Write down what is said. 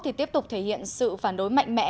thì tiếp tục thể hiện sự phản đối mạnh mẽ